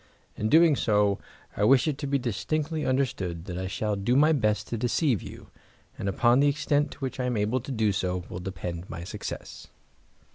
In doing so I wish it to be distinctly understood that I shall do my best to deceive you, and upon the extent to which I am able to do so will depend my success."